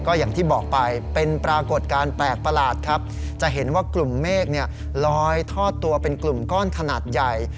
อย่างที่บอกไปเป็นปรากฏการณ์แปลกประหลาดครับจะเห็นว่ากลุ่มเมฆลอยทอดตัวเป็นกลุ่มก้อนขนาดใหญ่